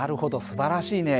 すばらしいね。